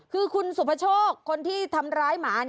คือคุณสุภโชคคนที่ทำร้ายหมา